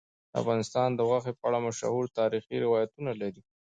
افغانستان د غوښې په اړه مشهور تاریخی روایتونه لري.